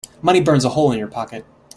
Money burns a hole in your pocket.